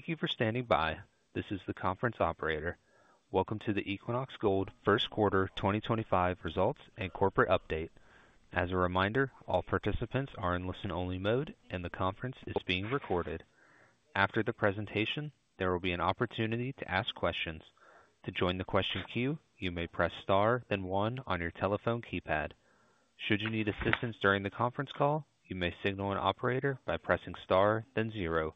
Thank you for standing by. This is the conference operator. Welcome to the Equinox Gold first quarter 2025 results and corporate update. As a reminder, all participants are in listen-only mode, and the conference is being recorded. After the presentation, there will be an opportunity to ask questions. To join the question queue, you may press star, then one on your telephone keypad. Should you need assistance during the conference call, you may signal an operator by pressing star, then zero.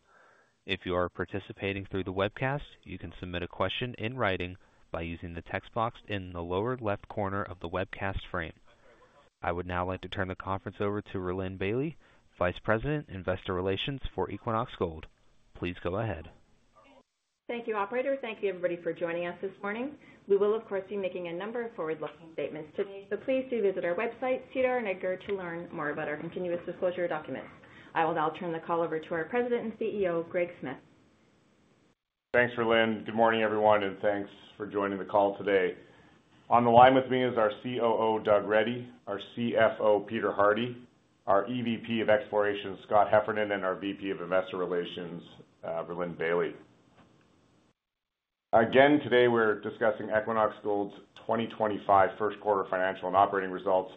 If you are participating through the webcast, you can submit a question in writing by using the text box in the lower left corner of the webcast frame. I would now like to turn the conference over to Rhylin Bailie, Vice President, Investor Relations for Equinox Gold. Please go ahead. Thank you, Operator. Thank you, everybody, for joining us this morning. We will, of course, be making a number of forward-looking statements today, so please do visit our website, SEDAR, and EDGAR to learn more about our continuous disclosure documents. I will now turn the call over to our President and CEO, Greg Smith. Thanks, Rhylin. Good morning, everyone, and thanks for joining the call today. On the line with me is our COO, Doug Reddy, our CFO, Peter Hardie, our EVP of Exploration, Scott Heffernan, and our VP of Investor Relations, Rhylin Bailie. Again, today we're discussing Equinox Gold's 2025 first quarter financial and operating results.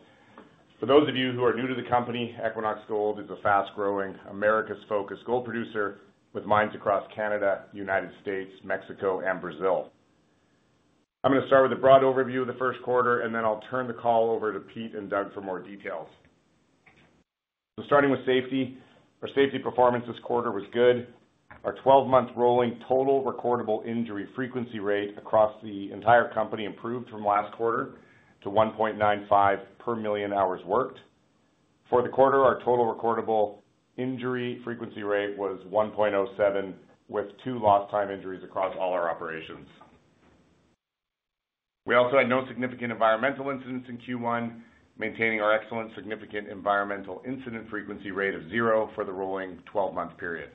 For those of you who are new to the company, Equinox Gold is a fast-growing, America-focused gold producer with mines across Canada, the United States, Mexico, and Brazil. I'm going to start with a broad overview of the first quarter, and then I'll turn the call over to Pete and Doug for more details. Starting with safety, our safety performance this quarter was good. Our 12-month rolling total recordable injury frequency rate across the entire company improved from last quarter to 1.95 per million hours worked. For the quarter, our total recordable injury frequency rate was 1.07, with two lost-time injuries across all our operations. We also had no significant environmental incidents in Q1, maintaining our excellent significant environmental incident frequency rate of zero for the rolling 12-month period.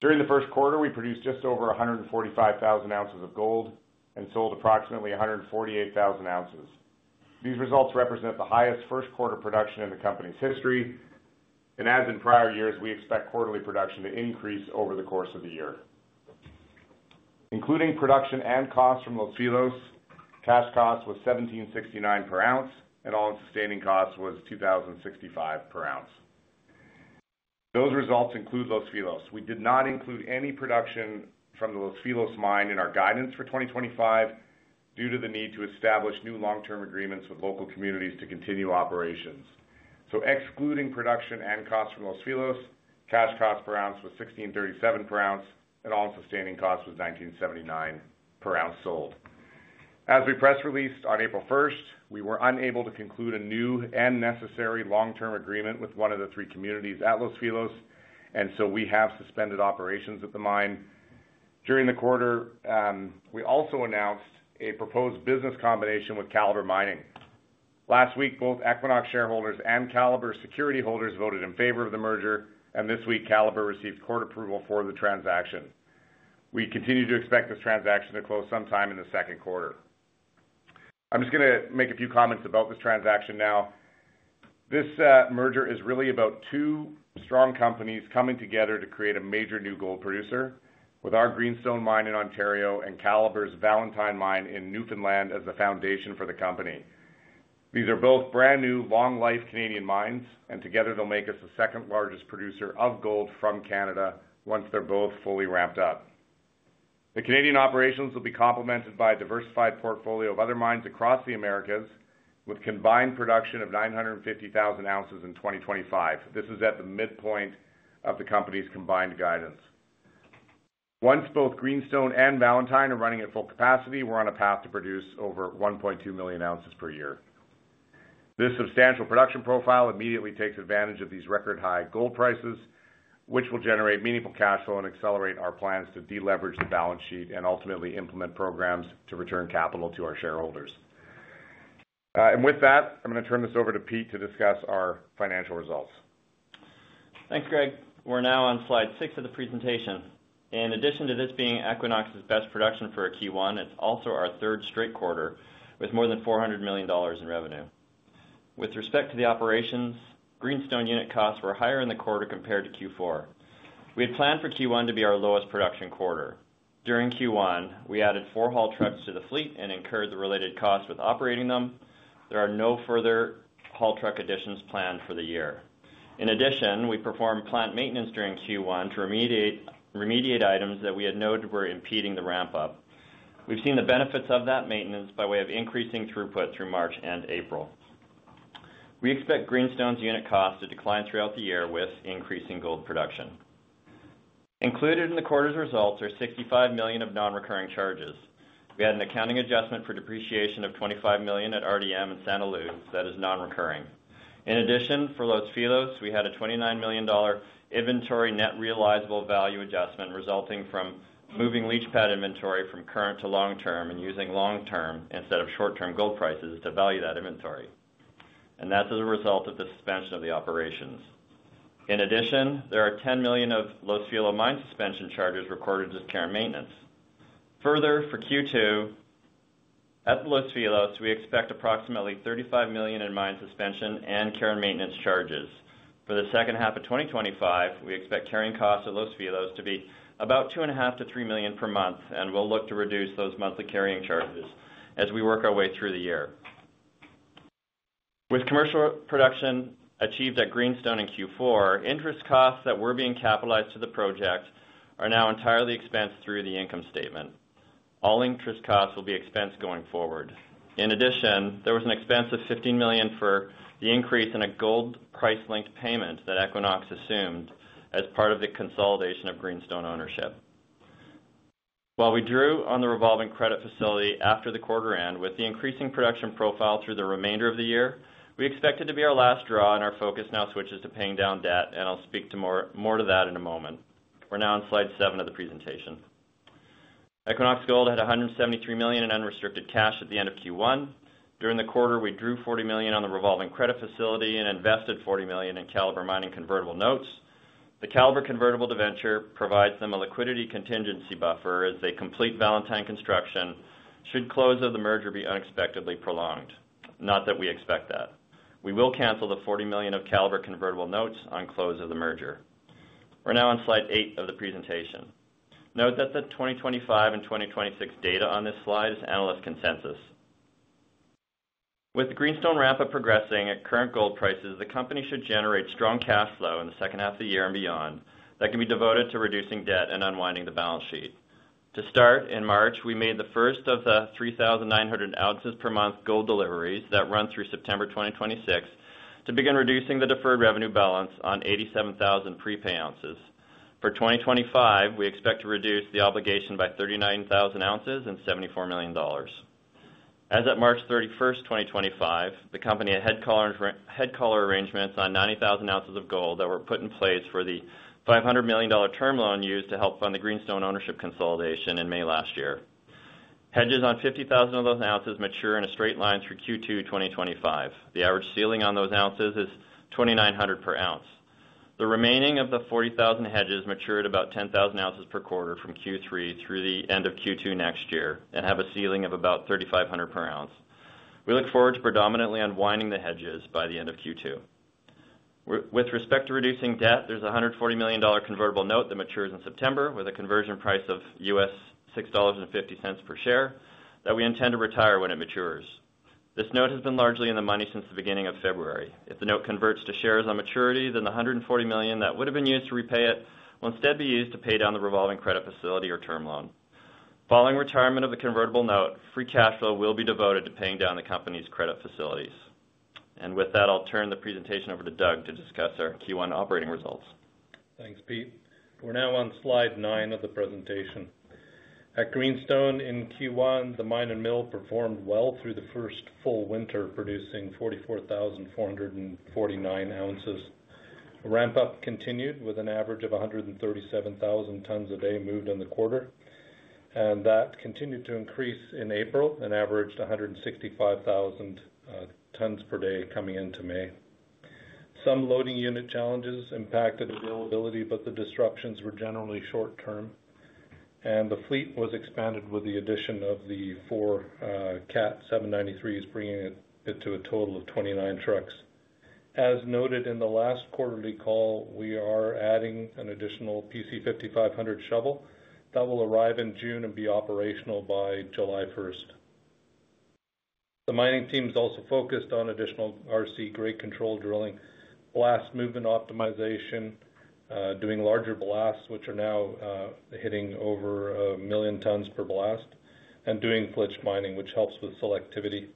During the first quarter, we produced just over 145,000 ounces of gold and sold approximately 148,000 ounces. These results represent the highest first quarter production in the company's history, and as in prior years, we expect quarterly production to increase over the course of the year. Including production and cost from Los Filos, cash cost was $1,769 per ounce, and all-in sustaining cost was $2,065 per ounce. Those results include Los Filos. We did not include any production from the Los Filos mine in our guidance for 2025 due to the need to establish new long-term agreements with local communities to continue operations. Excluding production and cost from Los Filos, cash cost per ounce was $1,637 per ounce, and all-in sustaining cost was $1,979 per ounce sold. As we press released on April 1st, we were unable to conclude a new and necessary long-term agreement with one of the three communities at Los Filos, and so we have suspended operations at the mine. During the quarter, we also announced a proposed business combination with Calibre Mining. Last week, both Equinox Gold shareholders and Calibre security holders voted in favor of the merger, and this week, Calibre received court approval for the transaction. We continue to expect this transaction to close sometime in the second quarter. I'm just going to make a few comments about this transaction now. This merger is really about two strong companies coming together to create a major new gold producer, with our Greenstone mine in Ontario and Calibre's Valentine mine in Newfoundland as the foundation for the company. These are both brand-new, long-life Canadian mines, and together they'll make us the second-largest producer of gold from Canada once they're both fully ramped up. The Canadian operations will be complemented by a diversified portfolio of other mines across the Americas, with combined production of 950,000 ounces in 2025. This is at the midpoint of the company's combined guidance. Once both Greenstone and Valentine are running at full capacity, we're on a path to produce over 1.2 million ounces per year. This substantial production profile immediately takes advantage of these record-high gold prices, which will generate meaningful cash flow and accelerate our plans to deleverage the balance sheet and ultimately implement programs to return capital to our shareholders. With that, I'm going to turn this over to Pete to discuss our financial results. Thanks, Greg. We're now on slide six of the presentation. In addition to this being Equinox Gold's best production for Q1, it's also our third straight quarter with more than $400 million in revenue. With respect to the operations, Greenstone unit costs were higher in the quarter compared to Q4. We had planned for Q1 to be our lowest production quarter. During Q1, we added four haul trucks to the fleet and incurred the related costs with operating them. There are no further haul truck additions planned for the year. In addition, we performed plant maintenance during Q1 to remediate items that we had known were impeding the ramp-up. We've seen the benefits of that maintenance by way of increasing throughput through March and April. We expect Greenstone's unit costs to decline throughout the year with increasing gold production. Included in the quarter's results are $65 million of non-recurring charges. We had an accounting adjustment for depreciation of $25 million at RDM and Santa Luz that is non-recurring. In addition, for Los Filos, we had a $29 million inventory net realizable value adjustment resulting from moving leach pad inventory from current to long-term and using long-term instead of short-term gold prices to value that inventory. That is as a result of the suspension of the operations. In addition, there are $10 million of Los Filos mine suspension charges recorded as care and maintenance. Further, for Q2, at Los Filos, we expect approximately $35 million in mine suspension and care and maintenance charges. For the second half of 2025, we expect carrying costs at Los Filos to be about $2.5 million-$3 million per month, and we will look to reduce those monthly carrying charges as we work our way through the year. With commercial production achieved at Greenstone in Q4, interest costs that were being capitalized to the project are now entirely expensed through the income statement. All interest costs will be expensed going forward. In addition, there was an expense of $15 million for the increase in a gold price-linked payment that Equinox assumed as part of the consolidation of Greenstone ownership. While we drew on the revolving credit facility after the quarter end, with the increasing production profile through the remainder of the year, we expect it to be our last draw, and our focus now switches to paying down debt, and I'll speak more to that in a moment. We're now on slide seven of the presentation. Equinox had $173 million in unrestricted cash at the end of Q1. During the quarter, we drew $40 million on the revolving credit facility and invested $40 million in Calibre Mining convertible notes. The Calibre convertible debenture provides them a liquidity contingency buffer as they complete Valentine construction should close of the merger be unexpectedly prolonged. Not that we expect that. We will cancel the $40 million of Calibre convertible notes on close of the merger. We are now on slide eight of the presentation. Note that the 2025 and 2026 data on this slide is analyst consensus. With the Greenstone ramp-up progressing at current gold prices, the company should generate strong cash flow in the second half of the year and beyond that can be devoted to reducing debt and unwinding the balance sheet. To start, in March, we made the first of the 3,900 ounces per month gold deliveries that run through September 2026 to begin reducing the deferred revenue balance on 87,000 prepay ounces. For 2025, we expect to reduce the obligation by 39,000 ounces and $74 million. As of March 31, 2025, the company had hedge collar arrangements on 90,000 ounces of gold that were put in place for the $500 million term loan used to help fund the Greenstone ownership consolidation in May last year. Hedges on 50,000 of those ounces mature in a straight line through Q2 2025. The average ceiling on those ounces is $2,900 per ounce. The remaining 40,000 hedges mature at about 10,000 ounces per quarter from Q3 through the end of Q2 next year and have a ceiling of about $3,500 per ounce. We look forward to predominantly unwinding the hedges by the end of Q2. With respect to reducing debt, there's a $140 million convertible note that matures in September with a conversion price of $6.50 per share that we intend to retire when it matures. This note has been largely in the money since the beginning of February. If the note converts to shares on maturity, then the $140 million that would have been used to repay it will instead be used to pay down the revolving credit facility or term loan. Following retirement of the convertible note, free cash flow will be devoted to paying down the company's credit facilities. With that, I'll turn the presentation over to Doug to discuss our Q1 operating results. Thanks, Pete. We're now on slide nine of the presentation. At Greenstone in Q1, the mine and mill performed well through the first full winter, producing 44,449 ounces. Ramp-up continued with an average of 137,000 tons a day moved in the quarter, and that continued to increase in April and averaged 165,000 tons per day coming into May. Some loading unit challenges impacted availability, but the disruptions were generally short-term, and the fleet was expanded with the addition of the four Cat 793s, bringing it to a total of 29 trucks. As noted in the last quarterly call, we are adding an additional PC-5500 shovel that will arrive in June and be operational by July 1. The mining team is also focused on additional RC grade control drilling, blast movement optimization, doing larger blasts, which are now hitting over 1 million tons per blast, and doing glitch mining, which helps with selectivity.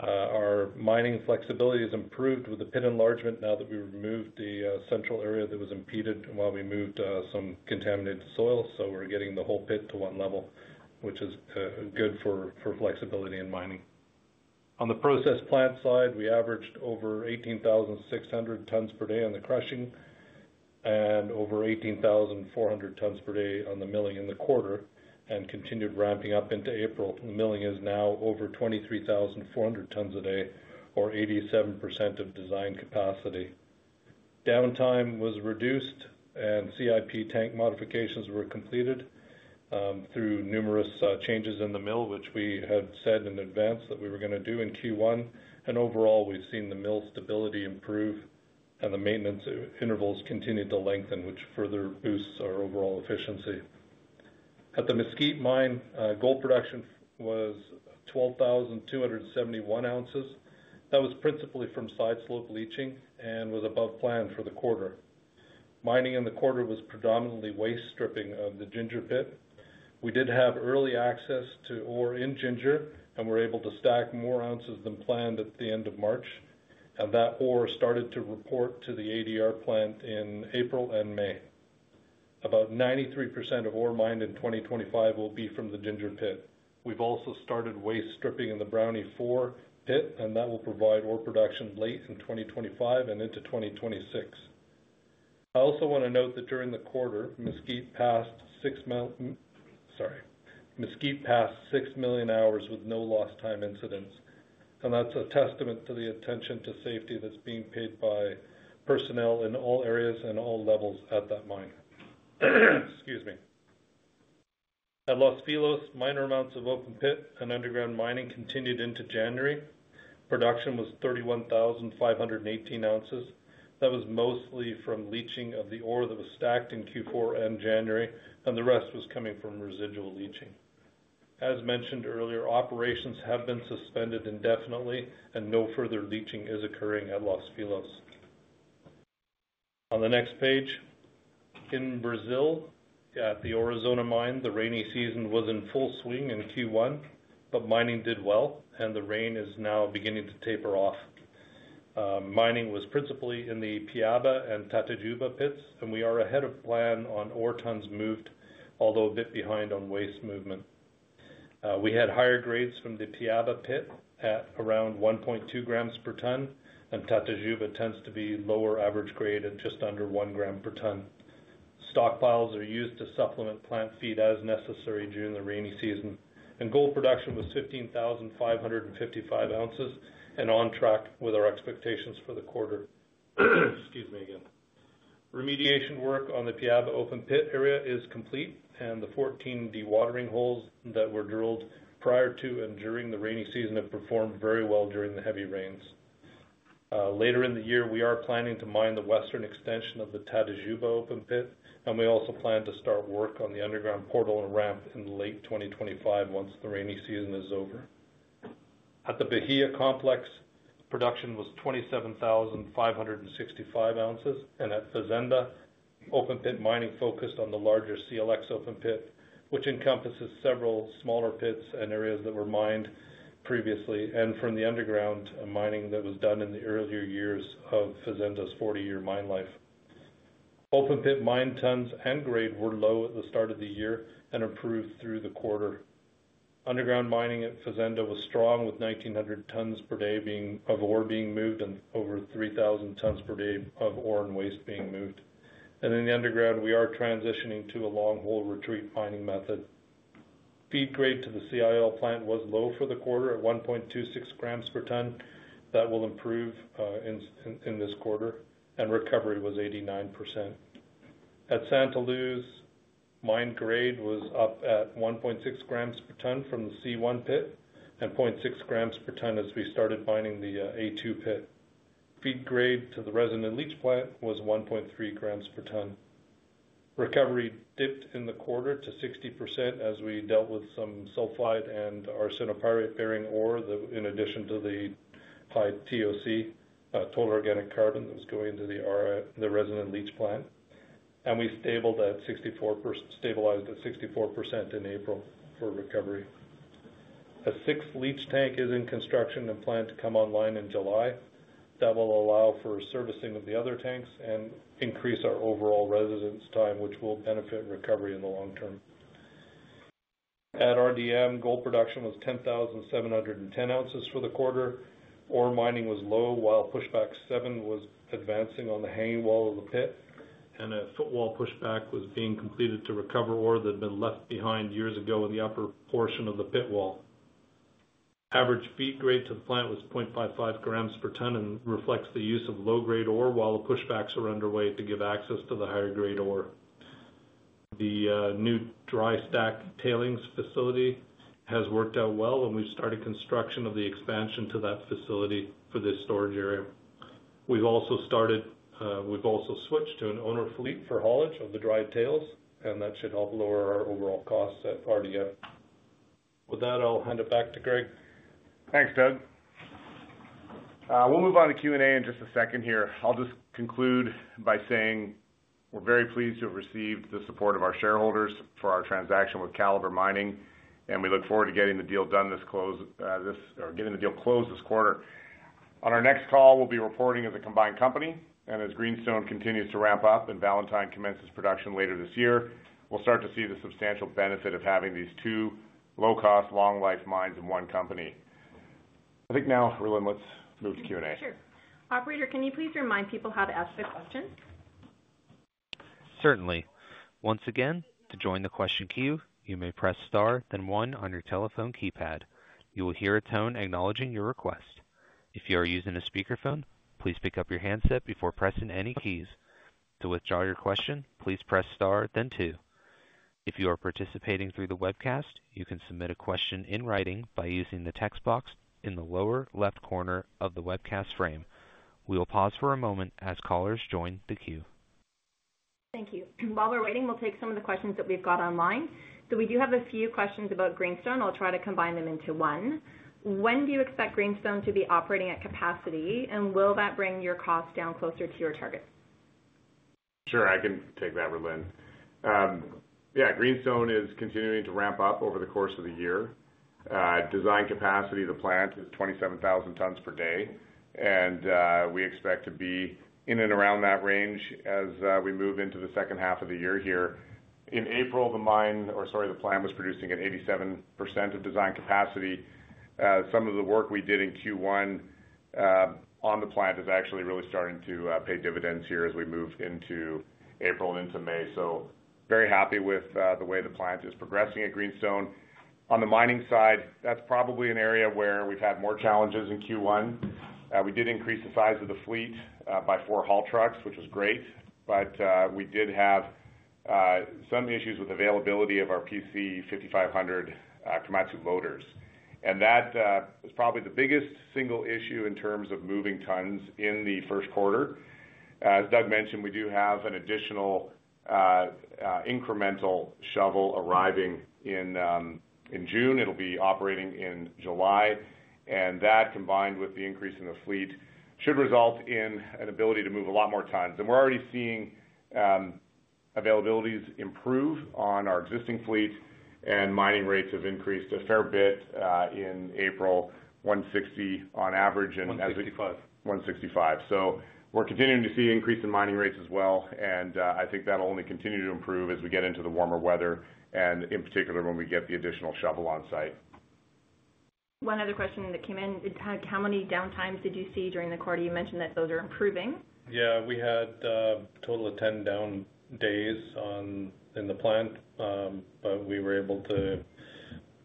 Our mining flexibility has improved with the pit enlargement now that we removed the central area that was impeded while we moved some contaminated soil, so we are getting the whole pit to one level, which is good for flexibility in mining. On the process plant side, we averaged over 18,600 tons per day on the crushing and over 18,400 tons per day on the milling in the quarter and continued ramping up into April. The milling is now over 23,400 tons a day, or 87% of design capacity. Downtime was reduced, and CIP tank modifications were completed through numerous changes in the mill, which we had said in advance that we were going to do in Q1. Overall, we've seen the mill stability improve and the maintenance intervals continue to lengthen, which further boosts our overall efficiency. At the Mesquite mine, gold production was 12,271 ounces. That was principally from side slope leaching and was above plan for the quarter. Mining in the quarter was predominantly waste stripping of the Ginger pit. We did have early access to ore in Ginger and were able to stack more ounces than planned at the end of March, and that ore started to report to the ADR plant in April and May. About 93% of ore mined in 2025 will be from the Ginger pit. We've also started waste stripping in the Brownie 4 pit, and that will provide ore production late in 2025 and into 2026. I also want to note that during the quarter, Mesquite passed 6 million hours with no lost-time incidents, and that's a testament to the attention to safety that's being paid by personnel in all areas and all levels at that mine. Excuse me. At Los Filos, minor amounts of open pit and underground mining continued into January. Production was 31,518 ounces. That was mostly from leaching of the ore that was stacked in Q4 and January, and the rest was coming from residual leaching. As mentioned earlier, operations have been suspended indefinitely, and no further leaching is occurring at Los Filos. On the next page, in Brazil, at the Aurizona mine, the rainy season was in full swing in Q1, but mining did well, and the rain is now beginning to taper off. Mining was principally in the Piaba and Tatajuba pits, and we are ahead of plan on ore tons moved, although a bit behind on waste movement. We had higher grades from the Piaba pit at around 1.2 g per ton, and Tatajuba tends to be lower average grade at just under 1 g per ton. Stockpiles are used to supplement plant feed as necessary during the rainy season, and gold production was 15,555 ounces and on track with our expectations for the quarter. Excuse me again. Remediation work on the Piaba open pit area is complete, and the 14 dewatering holes that were drilled prior to and during the rainy season have performed very well during the heavy rains. Later in the year, we are planning to mine the western extension of the Tatajuba open pit, and we also plan to start work on the underground portal and ramp in late 2025 once the rainy season is over. At the Bahia complex, production was 27,565 ounces, and at Fazenda, open pit mining focused on the larger CLX open pit, which encompasses several smaller pits and areas that were mined previously and from the underground mining that was done in the earlier years of Fazenda's 40-year mine life. Open pit mine tons and grade were low at the start of the year and improved through the quarter. Underground mining at Fazenda was strong, with 1,900 tons per day of ore being moved and over 3,000 tons per day of ore and waste being moved. In the underground, we are transitioning to a long-hole retreat mining method. Feed grade to the CIL plant was low for the quarter at 1.26 g per ton. That will improve in this quarter, and recovery was 89%. At Santa Luz, mine grade was up at 1.6 g per ton from the C1 pit and 0.6 g per ton as we started mining the A2 pit. Feed grade to the resident leach plant was 1.3 g per ton. Recovery dipped in the quarter to 60% as we dealt with some sulfide and arsenopyrite-bearing ore in addition to the high TOC, total organic carbon that was going into the resident leach plant, and we stabilized at 64% in April for recovery. A sixth leach tank is in construction and planned to come online in July. That will allow for servicing of the other tanks and increase our overall residence time, which will benefit recovery in the long term. At RDM, gold production was 10,710 ounces for the quarter. Ore mining was low while pushback seven was advancing on the hanging wall of the pit, and a footwall pushback was being completed to recover ore that had been left behind years ago in the upper portion of the pit wall. Average feed grade to the plant was 0.55 g per ton and reflects the use of low-grade ore while the pushbacks are underway to give access to the higher-grade ore. The new dry stack tailings facility has worked out well, and we've started construction of the expansion to that facility for this storage area. We've also switched to an owner fleet for haulage of the dried tails, and that should help lower our overall costs at RDM. With that, I'll hand it back to Greg. Thanks, Doug. We'll move on to Q&A in just a second here. I'll just conclude by saying we're very pleased to have received the support of our shareholders for our transaction with Calibre Mining, and we look forward to getting the deal done this close or getting the deal closed this quarter. On our next call, we'll be reporting as a combined company, and as Greenstone continues to ramp up and Valentine commences production later this year, we'll start to see the substantial benefit of having these two low-cost, long-life mines in one company. I think now, Rhylin, let's move to Q&A. Sure. Operator, can you please remind people how to ask the question? Certainly. Once again, to join the question queue, you may press star, then one on your telephone keypad. You will hear a tone acknowledging your request. If you are using a speakerphone, please pick up your handset before pressing any keys. To withdraw your question, please press star, then two. If you are participating through the webcast, you can submit a question in writing by using the text box in the lower left corner of the webcast frame. We will pause for a moment as callers join the queue. Thank you. While we're waiting, we'll take some of the questions that we've got online. We do have a few questions about Greenstone, and I'll try to combine them into one. When do you expect Greenstone to be operating at capacity, and will that bring your cost down closer to your target? Sure. I can take that, Rhylin. Yeah, Greenstone is continuing to ramp up over the course of the year. Design capacity of the plant is 27,000 tons per day, and we expect to be in and around that range as we move into the second half of the year here. In April, the mine or, sorry, the plant was producing at 87% of design capacity. Some of the work we did in Q1 on the plant is actually really starting to pay dividends here as we move into April and into May. Very happy with the way the plant is progressing at Greenstone. On the mining side, that is probably an area where we have had more challenges in Q1. We did increase the size of the fleet by four haul trucks, which was great, but we did have some issues with availability of our PC-5500 Komatsu loaders. That is probably the biggest single issue in terms of moving tons in the first quarter. As Doug mentioned, we do have an additional incremental shovel arriving in June. It will be operating in July, and that, combined with the increase in the fleet, should result in an ability to move a lot more tons. We are already seeing availabilities improve on our existing fleet, and mining rates have increased a fair bit in April, 160 on average. 165. 165. So we're continuing to see an increase in mining rates as well, and I think that'll only continue to improve as we get into the warmer weather and, in particular, when we get the additional shovel on site. One other question that came in. How many downtimes did you see during the quarter? You mentioned that those are improving. Yeah. We had a total of 10 down days in the plant, but we were able to,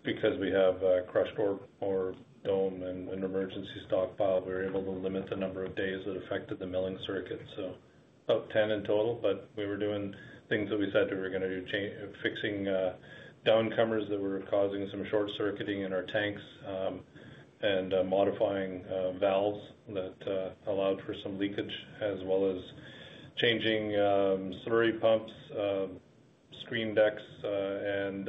because we have a crushed ore dome and an emergency stockpile, we were able to limit the number of days that affected the milling circuit. So about 10 in total, but we were doing things that we said we were going to do, fixing downcomers that were causing some short-circuiting in our tanks and modifying valves that allowed for some leakage, as well as changing slurry pumps, screen decks, and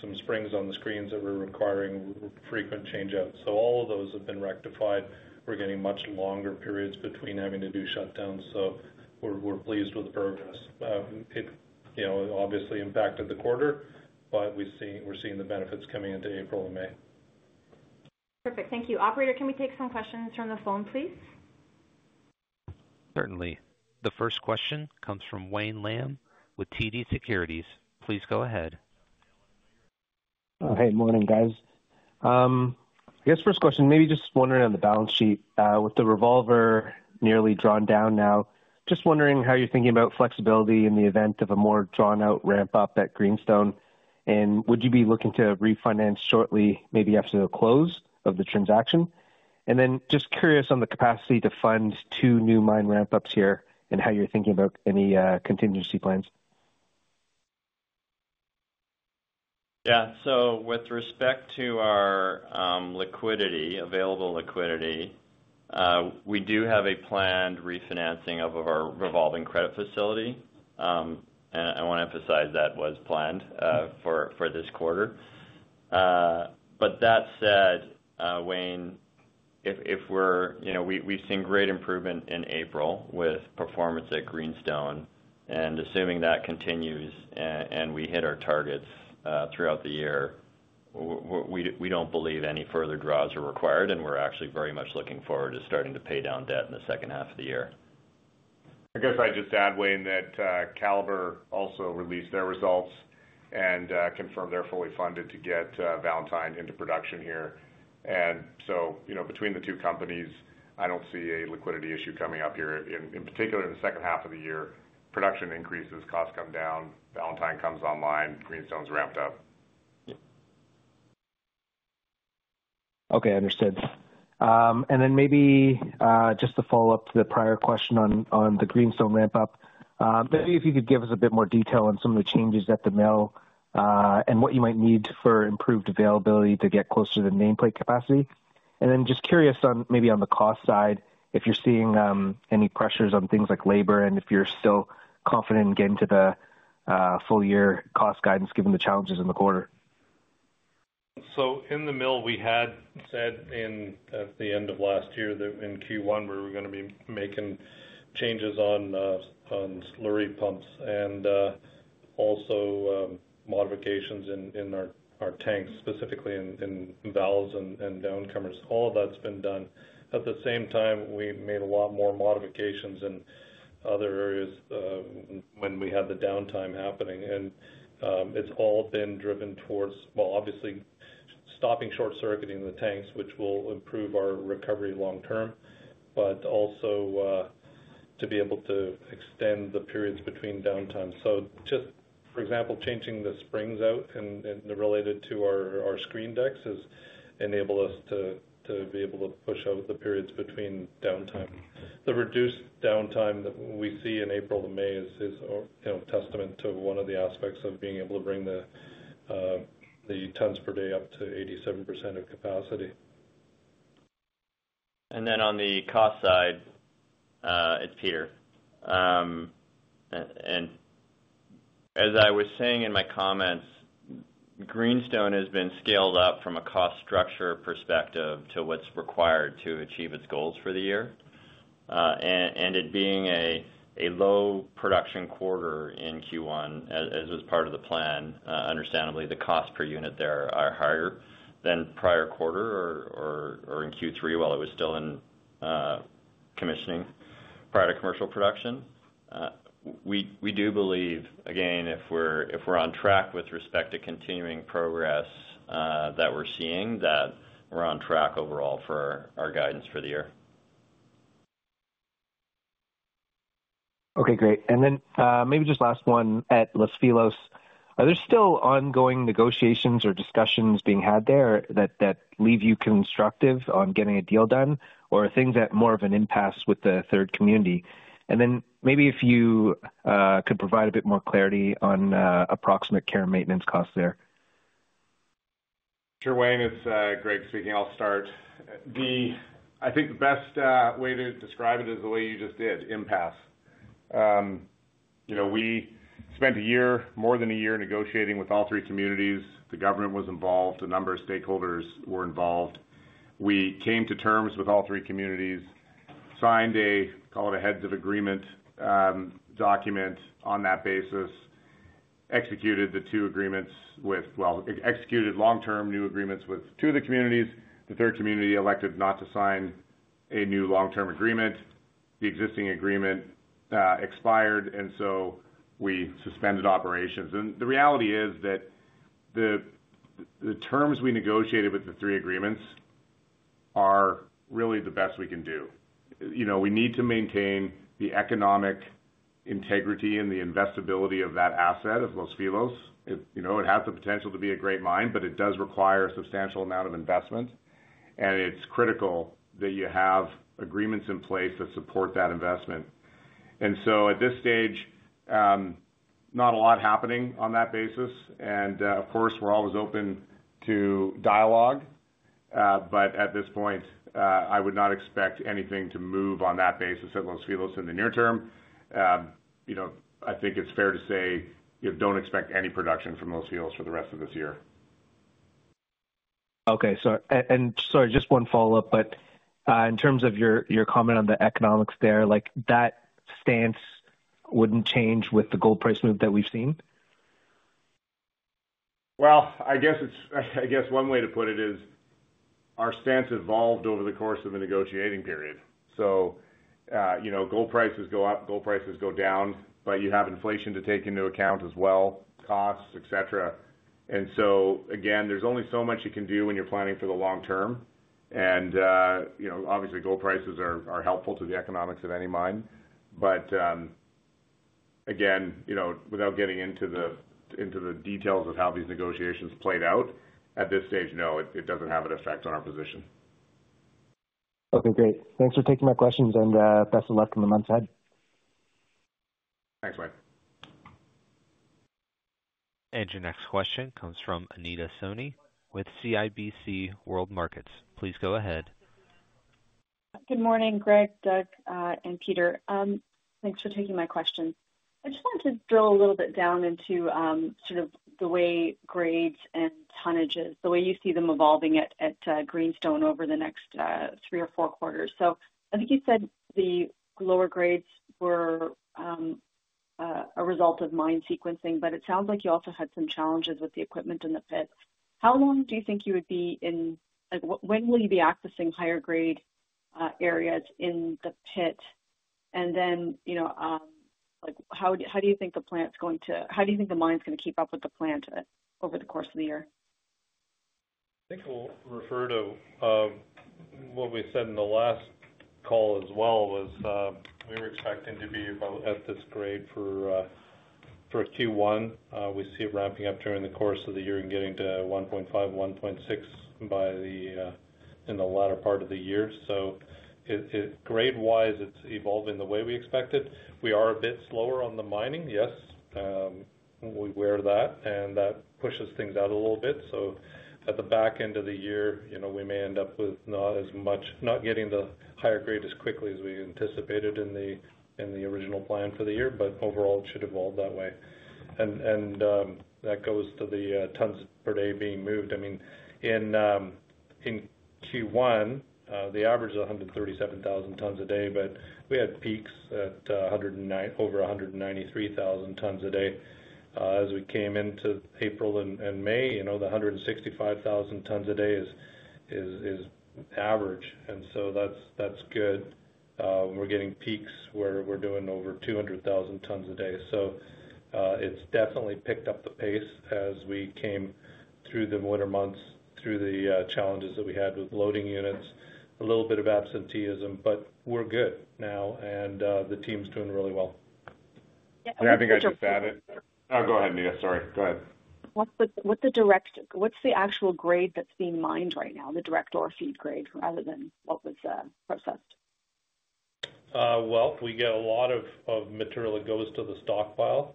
some springs on the screens that were requiring frequent changeouts. So all of those have been rectified. We're getting much longer periods between having to do shutdowns, so we're pleased with the progress. It obviously impacted the quarter, but we're seeing the benefits coming into April and May. Perfect. Thank you. Operator, can we take some questions from the phone, please? Certainly. The first question comes from Wayne Lam with TD Securities. Please go ahead. Hey, morning, guys. I guess first question, maybe just wondering on the balance sheet. With the revolver nearly drawn down now, just wondering how you're thinking about flexibility in the event of a more drawn-out ramp-up at Greenstone, and would you be looking to refinance shortly, maybe after the close of the transaction? Just curious on the capacity to fund two new mine ramp-ups here and how you're thinking about any contingency plans. Yeah. So with respect to our liquidity, available liquidity, we do have a planned refinancing of our revolving credit facility, and I want to emphasize that was planned for this quarter. That said, Wayne, if we are—we have seen great improvement in April with performance at Greenstone, and assuming that continues and we hit our targets throughout the year, we do not believe any further draws are required, and we are actually very much looking forward to starting to pay down debt in the second half of the year. I guess I'd just add, Wayne, that Calibre also released their results and confirmed they're fully funded to get Valentine into production here. Between the two companies, I don't see a liquidity issue coming up here. In particular, in the second half of the year, production increases, costs come down, Valentine comes online, Greenstone's ramped up. Yep. Okay. Understood. Maybe just to follow up the prior question on the Greenstone ramp-up, maybe if you could give us a bit more detail on some of the changes at the mill and what you might need for improved availability to get closer to the nameplate capacity. I am just curious on maybe on the cost side, if you are seeing any pressures on things like labor and if you are still confident in getting to the full-year cost guidance given the challenges in the quarter. In the mill, we had said at the end of last year that in Q1 we were going to be making changes on slurry pumps and also modifications in our tanks, specifically in valves and downcomers. All of that's been done. At the same time, we made a lot more modifications in other areas when we had the downtime happening. It's all been driven towards, obviously, stopping short-circuiting the tanks, which will improve our recovery long term, but also to be able to extend the periods between downtime. Just, for example, changing the springs out related to our screen decks has enabled us to be able to push out the periods between downtime. The reduced downtime that we see in April to May is a testament to one of the aspects of being able to bring the tons per day up to 87% of capacity. On the cost side, it's Peter. As I was saying in my comments, Greenstone has been scaled up from a cost structure perspective to what's required to achieve its goals for the year. It being a low-production quarter in Q1, as was part of the plan, understandably, the cost per unit there are higher than prior quarter or in Q3 while it was still in commissioning prior to commercial production. We do believe, again, if we're on track with respect to continuing progress that we're seeing, that we're on track overall for our guidance for the year. Okay. Great. Maybe just last one at Los Filos. Are there still ongoing negotiations or discussions being had there that leave you constructive on getting a deal done or are things at more of an impasse with the third community? Maybe if you could provide a bit more clarity on approximate care and maintenance costs there. Sure. Wayne, it's Greg speaking. I'll start. I think the best way to describe it is the way you just did, impasse. We spent a year, more than a year, negotiating with all three communities. The government was involved. A number of stakeholders were involved. We came to terms with all three communities, signed a, call it a heads-of-agreement document on that basis, executed the two agreements with, well, executed long-term new agreements with two of the communities. The third community elected not to sign a new long-term agreement. The existing agreement expired, and we suspended operations. The reality is that the terms we negotiated with the three agreements are really the best we can do. We need to maintain the economic integrity and the investability of that asset of Los Filos. It has the potential to be a great mine, but it does require a substantial amount of investment, and it is critical that you have agreements in place that support that investment. At this stage, not a lot happening on that basis. Of course, we are always open to dialogue, but at this point, I would not expect anything to move on that basis at Los Filos in the near term. I think it is fair to say do not expect any production from Los Filos for the rest of this year. Okay. Sorry, just one follow-up, but in terms of your comment on the economics there, that stance would not change with the gold price move that we have seen? I guess one way to put it is our stance evolved over the course of the negotiating period. Gold prices go up, gold prices go down, but you have inflation to take into account as well, costs, etc. There is only so much you can do when you're planning for the long term. Obviously, gold prices are helpful to the economics of any mine. Again, without getting into the details of how these negotiations played out at this stage, no, it doesn't have an effect on our position. Okay. Great. Thanks for taking my questions and best of luck in the months ahead. Thanks, Wayne. Your next question comes from Anita Sony with CIBC World Markets. Please go ahead. Good morning, Greg, Doug, and Peter. Thanks for taking my question. I just wanted to drill a little bit down into sort of the way grades and tonnages, the way you see them evolving at Greenstone over the next three or four quarters. I think you said the lower grades were a result of mine sequencing, but it sounds like you also had some challenges with the equipment in the pit. How long do you think you would be in when will you be accessing higher-grade areas in the pit? How do you think the plant's going to, how do you think the mine's going to keep up with the plant over the course of the year? I think we'll refer to what we said in the last call as well was we were expecting to be at this grade for Q1. We see it ramping up during the course of the year and getting to 1.5-1.6 in the latter part of the year. Grade-wise, it's evolving the way we expected. We are a bit slower on the mining, yes. We wear that, and that pushes things out a little bit. At the back end of the year, we may end up with not getting the higher grade as quickly as we anticipated in the original plan for the year, but overall, it should evolve that way. That goes to the tons per day being moved. I mean, in Q1, the average is 137,000 tons a day, but we had peaks at over 193,000 tons a day. As we came into April and May, the 165,000 tons a day is average. That is good. We are getting peaks where we are doing over 200,000 tons a day. It has definitely picked up the pace as we came through the winter months, through the challenges that we had with loading units, a little bit of absenteeism, but we are good now, and the team's doing really well. Yeah. I think I just added. Oh, go ahead, Anita. Sorry. Go ahead. What's the actual grade that's being mined right now, the direct ore feed grade rather than what was processed? We get a lot of material that goes to the stockpile.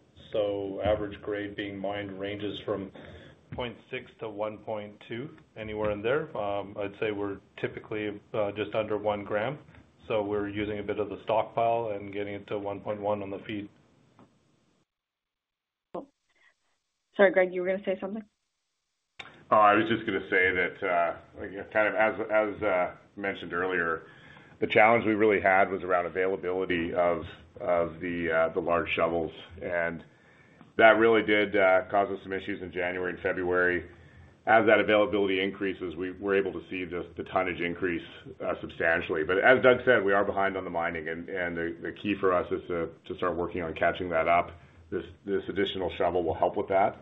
Average grade being mined ranges from 0.6-1.2, anywhere in there. I'd say we're typically just under one gram. We're using a bit of the stockpile and getting it to 1.1 on the feed. Sorry, Greg, you were going to say something? Oh, I was just going to say that, kind of as mentioned earlier, the challenge we really had was around availability of the large shovels. That really did cause us some issues in January and February. As that availability increases, we're able to see the tonnage increase substantially. As Doug said, we are behind on the mining, and the key for us is to start working on catching that up. This additional shovel will help with that.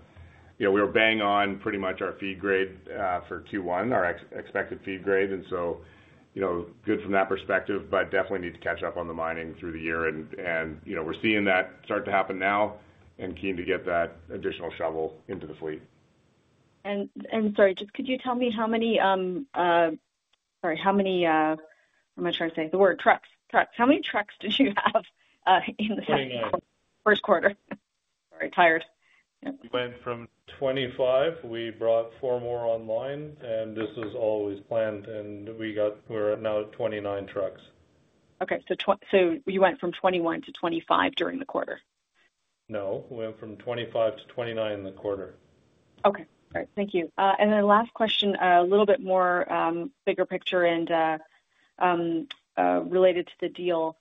We were bang on pretty much our feed grade for Q1, our expected feed grade. Good from that perspective, but definitely need to catch up on the mining through the year. We're seeing that start to happen now and keen to get that additional shovel into the fleet. Sorry, just could you tell me how many—sorry, how many—I'm not sure how to say the word—trucks, trucks. How many trucks did you have in the first quarter? Sorry, tired. We went from 25. We brought four more online, and this was always planned, and we're now at 29 trucks. Okay. So you went from 21 to 25 during the quarter? No. We went from 25 to 29 in the quarter. Okay. All right. Thank you. Last question, a little bit more bigger picture and related to the deal.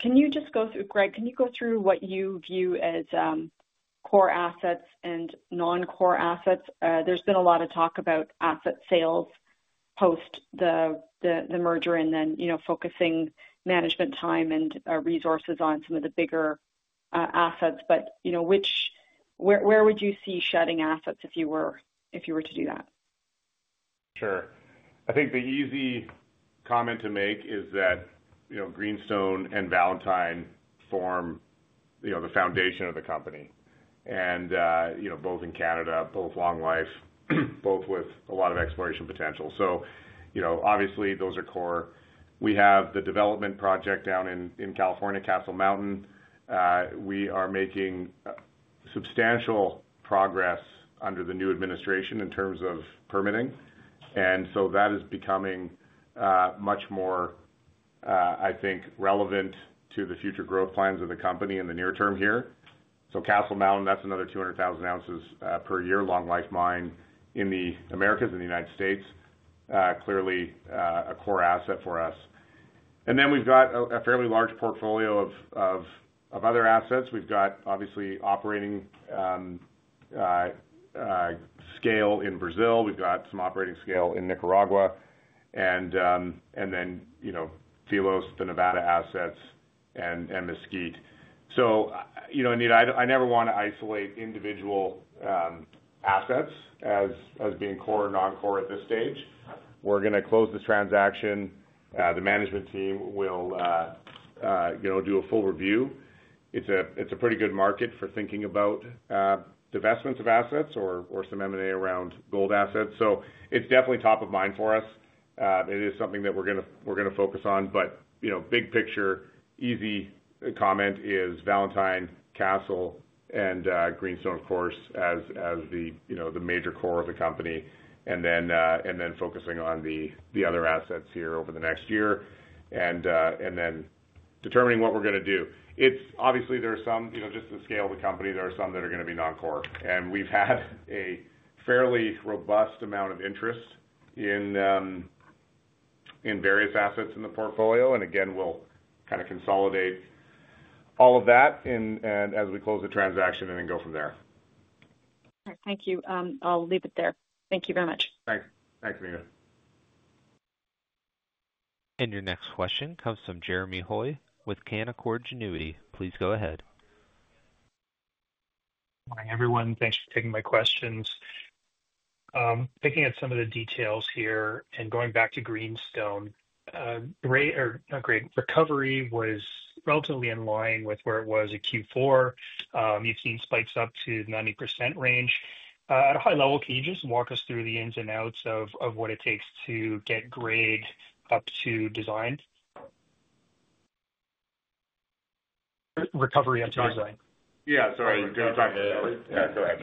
Can you just go through—Greg, can you go through what you view as core assets and non-core assets? There's been a lot of talk about asset sales post the merger and focusing management time and resources on some of the bigger assets. Where would you see shedding assets if you were to do that? Sure. I think the easy comment to make is that Greenstone and Valentine form the foundation of the company, and both in Canada, both long life, both with a lot of exploration potential. Obviously, those are core. We have the development project down in California, Castle Mountain. We are making substantial progress under the new administration in terms of permitting. That is becoming much more, I think, relevant to the future growth plans of the company in the near term here. Castle Mountain, that's another 200,000 ounces per year long-life mine in the Americas, in the United States, clearly a core asset for us. We have a fairly large portfolio of other assets. We have, obviously, operating scale in Brazil. We have some operating scale in Nicaragua. Then Filos, the Nevada assets, and Mesquite. I never want to isolate individual assets as being core or non-core at this stage. We're going to close this transaction. The management team will do a full review. It's a pretty good market for thinking about divestments of assets or some M&A around gold assets. It's definitely top of mind for us. It is something that we're going to focus on. Big picture, easy comment is Valentine, Castle, and Greenstone, of course, as the major core of the company. Then focusing on the other assets here over the next year and then determining what we're going to do. Obviously, there are some, just to scale the company, there are some that are going to be non-core. We've had a fairly robust amount of interest in various assets in the portfolio. We'll kind of consolidate all of that as we close the transaction and then go from there. All right. Thank you. I'll leave it there. Thank you very much. Thanks. Thanks, Anita. Your next question comes from Jeremy Hoy with Canaccord Genuity. Please go ahead. Morning, everyone. Thanks for taking my questions. Picking at some of the details here and going back to Greenstone, not grade, recovery was relatively in line with where it was at Q4. You've seen spikes up to the 90% range. At a high level, can you just walk us through the ins and outs of what it takes to get grade up to design? Recovery up to design. Yeah. Sorry. Go ahead, Reddy. Yeah. Go ahead.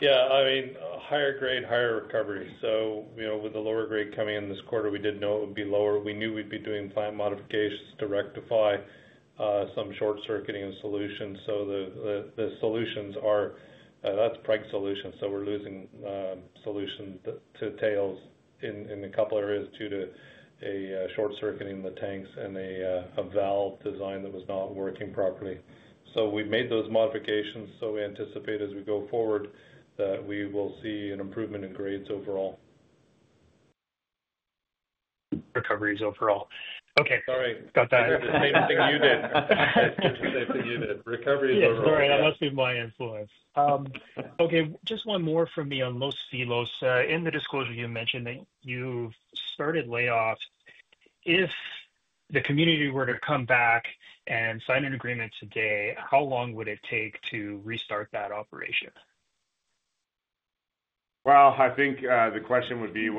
Yeah. I mean, higher grade, higher recovery. With the lower grade coming in this quarter, we did know it would be lower. We knew we would be doing plant modifications to rectify some short-circuiting solutions. The solutions are, that is, Preg solutions. We are losing solutions to tails in a couple of areas due to short-circuiting in the tanks and a valve design that was not working properly. We made those modifications. We anticipate as we go forward that we will see an improvement in grades overall. Recovery is overall. Okay. Sorry. Got that. Same thing you did. Recovery is overall. Sorry. That must be my influence. Okay. Just one more from me on Los Filos. In the disclosure, you mentioned that you've started layoffs. If the community were to come back and sign an agreement today, how long would it take to restart that operation? I think the question would be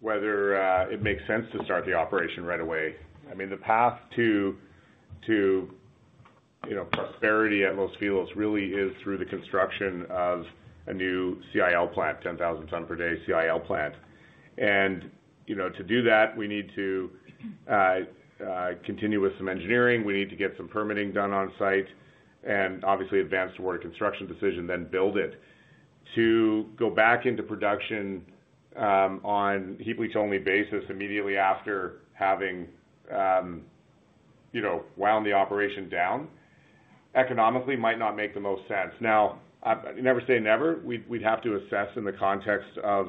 whether it makes sense to start the operation right away. I mean, the path to prosperity at Los Filos really is through the construction of a new CIL plant, 10,000-ton-per-day CIL plant. To do that, we need to continue with some engineering. We need to get some permitting done on-site and obviously advance toward a construction decision, then build it. To go back into production on heap leach-only basis immediately after having wound the operation down economically might not make the most sense. Now, I never say never. We'd have to assess in the context of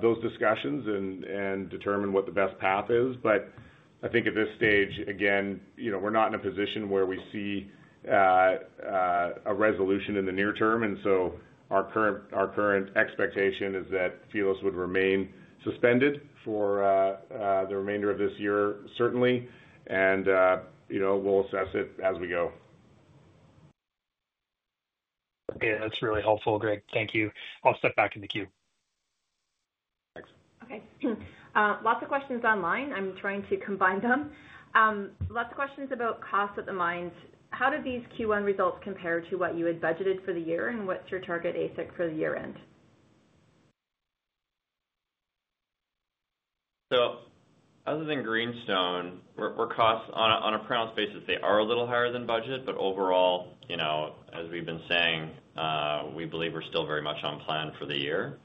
those discussions and determine what the best path is. I think at this stage, again, we're not in a position where we see a resolution in the near term. Our current expectation is that Los Filos would remain suspended for the remainder of this year, certainly. We will assess it as we go. Okay. That's really helpful, Greg. Thank you. I'll step back in the queue. Thanks. Okay. Lots of questions online. I'm trying to combine them. Lots of questions about costs at the mines. How do these Q1 results compare to what you had budgeted for the year? What's your target AISC for the year-end? Other than Greenstone, on a pronounced basis, they are a little higher than budget. Overall, as we have been saying, we believe we are still very much on plan for the year.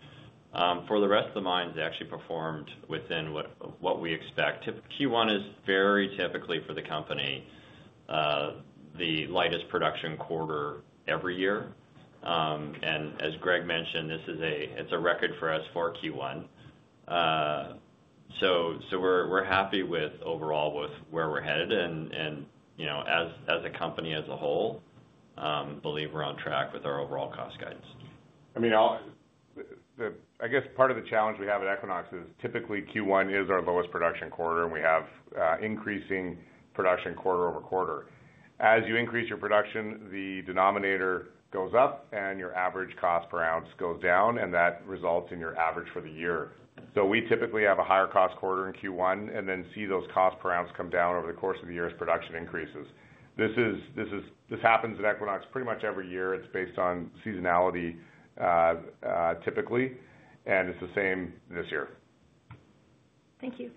For the rest of the mines, they actually performed within what we expect. Q1 is very typically for the company the lightest production quarter every year. As Greg mentioned, it is a record for us for Q1. We are happy overall with where we are headed. As a company as a whole, I believe we are on track with our overall cost guidance. I mean, I guess part of the challenge we have at Equinox Gold is typically Q1 is our lowest production quarter, and we have increasing production quarter over quarter. As you increase your production, the denominator goes up, and your average cost per ounce goes down, and that results in your average for the year. We typically have a higher cost quarter in Q1 and then see those cost per ounce come down over the course of the year as production increases. This happens at Equinox pretty much every year. It is based on seasonality typically. It is the same this year. Thank you.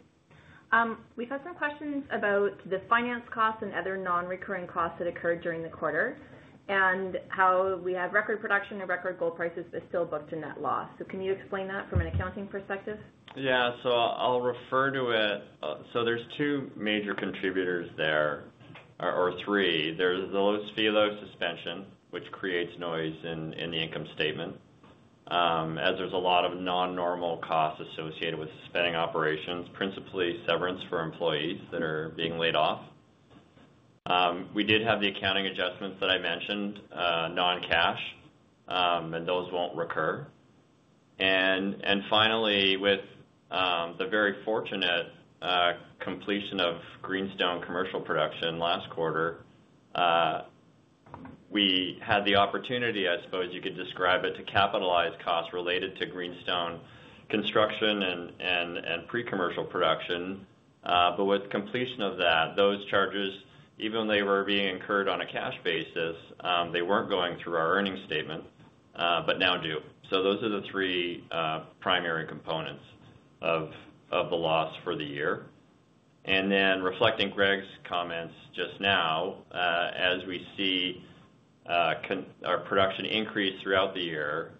We've had some questions about the finance costs and other non-recurring costs that occurred during the quarter and how we have record production and record gold prices that still book to net loss. Can you explain that from an accounting perspective? Yeah. I'll refer to it. There are two major contributors there, or three. There is the Los Filos suspension, which creates noise in the income statement, as there are a lot of non-normal costs associated with suspending operations, principally severance for employees that are being laid off. We did have the accounting adjustments that I mentioned, non-cash, and those will not recur. Finally, with the very fortunate completion of Greenstone commercial production last quarter, we had the opportunity, I suppose you could describe it, to capitalize costs related to Greenstone construction and pre-commercial production. With completion of that, those charges, even though they were being incurred on a cash basis, were not going through our earnings statement, but now do. Those are the three primary components of the loss for the year. Reflecting Greg's comments just now, as we see our production increase throughout the year,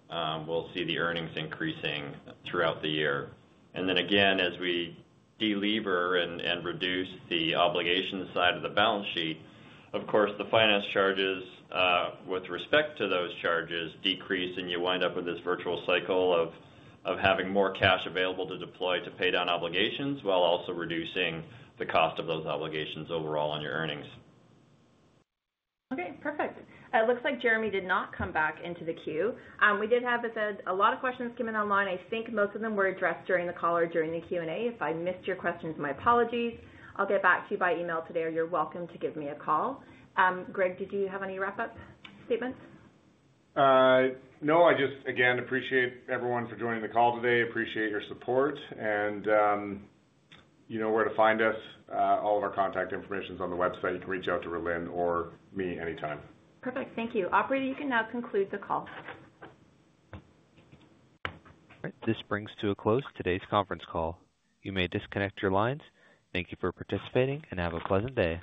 we'll see the earnings increasing throughout the year. Then again, as we deliberate and reduce the obligation side of the balance sheet, of course, the finance charges with respect to those charges decrease, and you wind up with this virtuous cycle of having more cash available to deploy to pay down obligations while also reducing the cost of those obligations overall on your earnings. Okay. Perfect. It looks like Jeremy did not come back into the queue. We did have a lot of questions come in online. I think most of them were addressed during the call or during the Q&A. If I missed your questions, my apologies. I'll get back to you by email today, or you're welcome to give me a call. Greg, did you have any wrap-up statements? No. I just, again, appreciate everyone for joining the call today. Appreciate your support. You know where to find us. All of our contact information is on the website. You can reach out to Rhylin or me anytime. Perfect. Thank you. Operator, you can now conclude the call. This brings to a close today's conference call. You may disconnect your lines. Thank you for participating, and have a pleasant day.